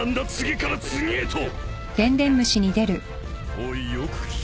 おいよく聞け。